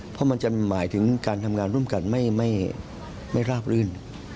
เพราะมันจะหมายถึงการทำงานร่วมกันไม่ราบรื่น